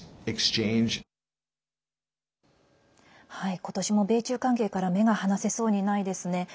今年も米中関係から目が離せそうにないですね。